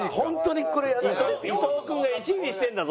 伊藤君が１位にしてるんだぞ。